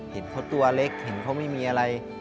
เห็นเขาตัวเล็กเห็นเขาไม่มีอะไร